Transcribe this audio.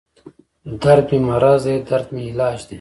دردمې مرض دی دردمې علاج دی